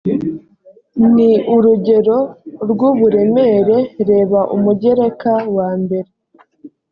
ni urugero rw uburemere reba umugereka wa mbere